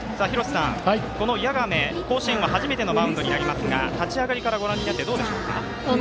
谷亀、甲子園は初めてのマウンドになりますが立ち上がりからご覧になってどうですか。